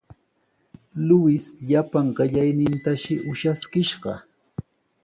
Luis llapan qellaynintashi ushaskishqa.